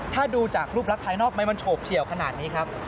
ถ้าดูจากรูปลักษณ์ภายนอกไหมมันโฉบเฉียวขนาดนี้ครับ